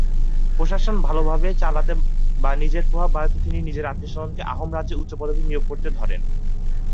প্রশাসন ভালভাবে চালাতে বা নিজের প্রভাব বাড়াতে তিনি নিজের আত্মীয়-স্বজনকে আহোম রাজ্যের উচ্চ পদবীতে নিয়োগ করতে ধরেন।